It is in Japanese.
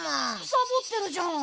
サボってるじゃん。